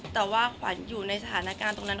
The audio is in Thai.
แต่ว่าขวัญอยู่ในสถานการณ์ตรงนั้น